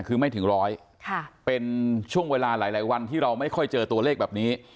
คือไม่ถึงร้อยเป็นช่วงเวลาหลายวันที่เราไม่ค่อยเจอตัวเลขแบบนี้